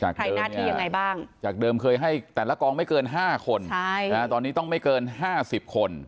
ใครหน้าที่ยังไงบ้างจากเดิมเคยให้แต่ละกองไม่เกิน๕คนตอนนี้ต้องไม่เกิน๕๐คน